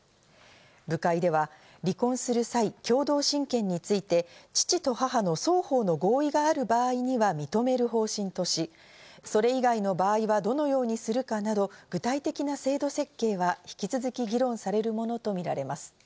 部会では離婚する際、共同親権について、父と母の双方の合意がある場合には認める方針とし、それ以外の場合はどのようにするかなど具体的な制度設計は引き続き議論されるものとみられます。